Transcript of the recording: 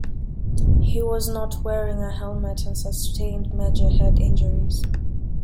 He was not wearing a helmet and sustained major head injuries.